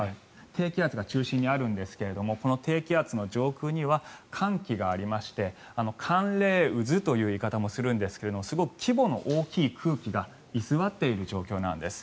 低気圧が中心にあるんですがこの低気圧の上空には寒気がありまして寒冷渦という言い方もするんですがすごく規模の大きい空気が居座っている状況なんです。